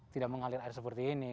tidak mengalir air seperti ini